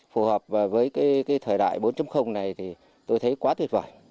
phù hợp với cái thời đại bốn này thì tôi thấy quá tuyệt vời